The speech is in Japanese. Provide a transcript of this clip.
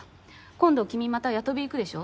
今度君また八飛行くでしょ？